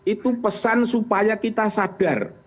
itu pesan supaya kita sadar